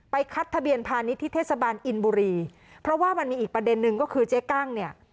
คัดทะเบียนพาณิชย์ที่เทศบาลอินบุรีเพราะว่ามันมีอีกประเด็นนึงก็คือเจ๊กั้งเนี่ย